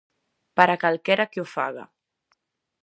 Para calquera que o faga.